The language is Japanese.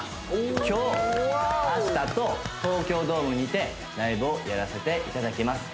今日明日と東京ドームにてライブをやらせていただきます